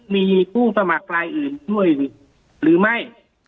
มีผู้สมัครรายอื่นช่วยหรือไม่